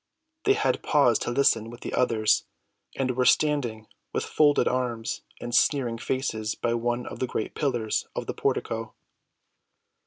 They had paused to listen with the others, and were standing with folded arms and sneering faces by one of the great pillars of the portico.